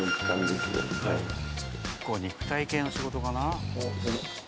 肉体系の仕事かな？